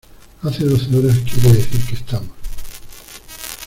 hace doce horas, quiere decir que estamos